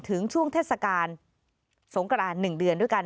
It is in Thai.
ถึงช่วงเทศกาลสงกราน๑เดือนด้วยกัน